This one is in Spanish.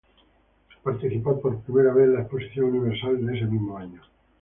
Participó por primera vez en la Exposición Universal de ese mismo año.